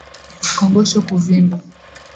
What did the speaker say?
kongosho kuvimba